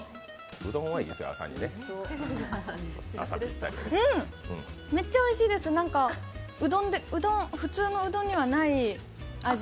うん、めっちゃおいしいです普通のうどんにはない味